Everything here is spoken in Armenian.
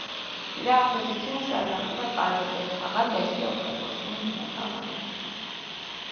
Նրա ազդեցությունը շարունակում է կարևոր դեր խաղալ լեզվի օգտագործման բնագավառում։